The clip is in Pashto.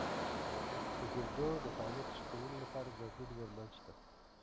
د ګردو د فعالیت ښه کولو لپاره ځانګړي درمل شته.